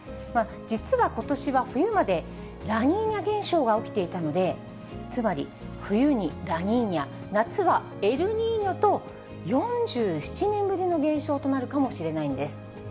実はことしは冬までラニーニャ現象が起きていたので、つまり、冬にラニーニャ、夏はエルニーニョと、４７年ぶりの現象となるかもしれないんです。